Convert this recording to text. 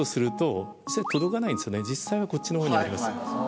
実際はこっちのほうにあります。